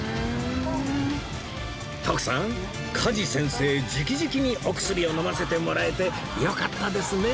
徳さん加地先生直々にお薬を飲ませてもらえてよかったですね